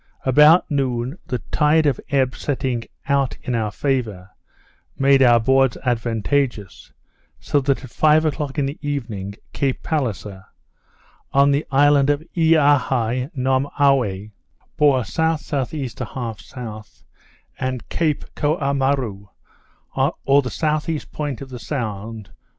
About noon the tide of ebb setting out in our favour, made our boards advantageous; so that, at five o'clock in the evening. Cape Palliser, on the island of Eahei nomauwe, bore S.S.E. 1/2 S., and Cape Koamaroo, or the S.E. point of the sound, N.